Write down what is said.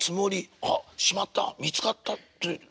「『あっしまった見つかった』ってつもり」。